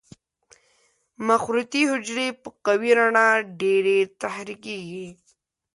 مخروطي حجرې په قوي رڼا ډېرې تحریکېږي.